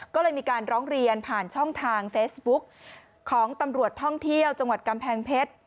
ก็เลยมีการร้องเรียนผ่านช่องทางเฟซบุ๊กของตำรวจท่องเที่ยวจังหวัดกำแพงเพชร